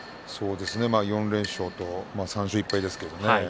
４連勝と３勝１敗ですけどね。